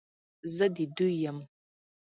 زه د دوی یم،